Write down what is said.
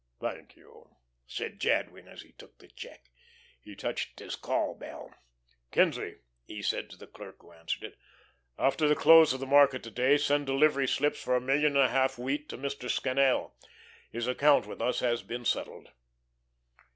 "Thank you," said Jadwin as he took the check. He touched his call bell. "Kinzie," he said to the clerk who answered it, "after the close of the market to day send delivery slips for a million and a half wheat to Mr. Scannel. His account with us has been settled."